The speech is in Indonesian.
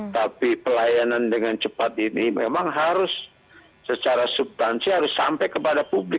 tapi pelayanan dengan cepat ini memang harus secara subtansi harus sampai kepada publik